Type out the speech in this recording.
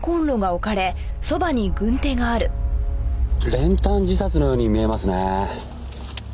練炭自殺のように見えますね。